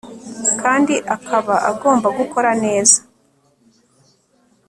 kandi akaba agomba gukora neza